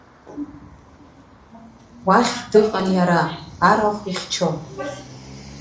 Уахь дыҟан иара, арахә ихьчон.